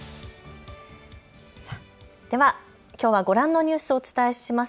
ではきょうはご覧のニュースをお伝えします。